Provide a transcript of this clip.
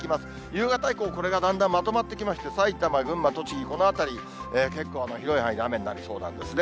夕方以降、これがだんだんまとまってきまして、埼玉、群馬、栃木、この辺り、結構、広い範囲で雨になりそうなんですね。